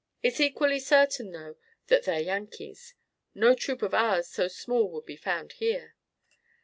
It's equally certain though that they're Yankees. No troop of ours so small would be found here."